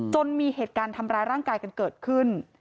จนมีเหตุการณ์ทำร้ายร่างกายกันเกิดขึ้น